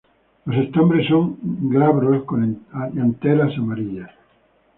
Los estambres son glabros con anteras amarillas.